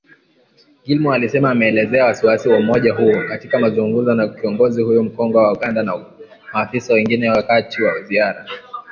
Gilmore alisema ameelezea wasi-wasi wa umoja huo, katika mazungumzo na kiongozi huyo mkongwe wa Uganda na maafisa wengine wakati wa ziara